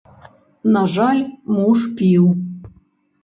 На жаль, муж піў.